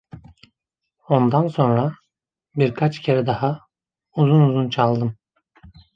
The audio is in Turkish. Ondan sonra, birkaç kere daha, uzun uzun çaldım.